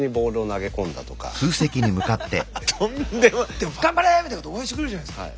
でも「頑張れ！」みたいなこと応援してくれるじゃないですか。